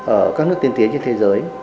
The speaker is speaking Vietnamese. ở các nước tiên tiến trên thế giới